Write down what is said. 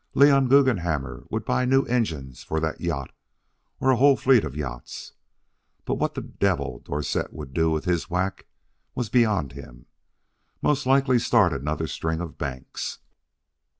Leon Guggenhammer would buy new engines for that yacht, or a whole fleet of yachts. But what the devil Dowsett would do with his whack, was beyond him most likely start another string of banks.